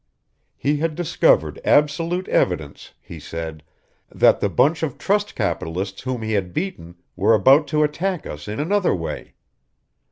He had discovered absolute evidence, he said, that the bunch of trust capitalists whom he had beaten were about to attack us in another way.